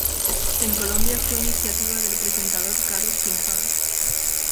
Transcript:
En Colombia fue iniciativa del presentador Carlos Pinzón.